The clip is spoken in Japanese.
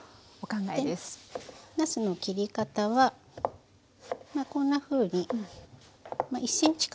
なすの切り方はまあこんなふうに１センチ角。